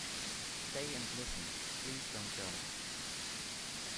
Stay and listen; please don't go